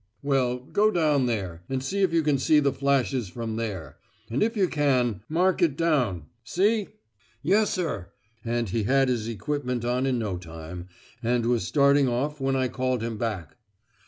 "Well, go down there, and see if you can see the flashes from there; and if you can, mark it down. See?" "Yes, sir!" and he had his equipment on in no time, and was starting off when I called him back.